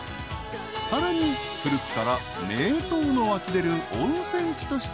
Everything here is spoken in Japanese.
［さらに古くから名湯の湧き出る温泉地としても有名］